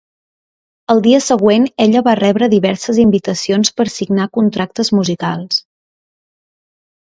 El dia següent ella va rebre diverses invitacions per signar contractes musicals.